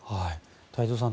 太蔵さん